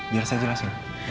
biar saya jelasin